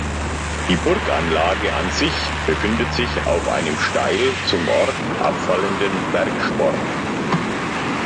Die Burganlage an sich befindet sich auf einem steil zum Ort abfallenden Bergsporn.